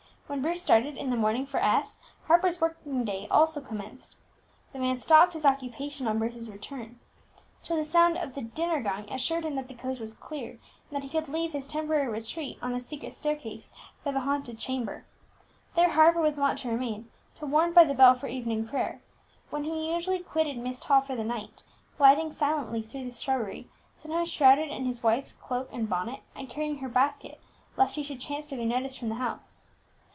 When Bruce started in the morning for S , Harper's working day also commenced. The man stopped his occupation on Bruce's return, till the sound of the dinner gong assured him that the coast was clear, and that he could leave his temporary retreat on the secret staircase for the haunted chamber. There Harper was wont to remain till warned by the bell for evening prayer, when he usually quitted Myst Hall for the night, gliding silently through the shrubbery, sometimes shrouded in his wife's cloak and bonnet, and carrying her basket, lest he should chance to be noticed from the house.